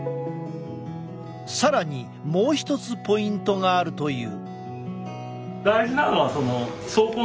更にもう一つポイントがあるという。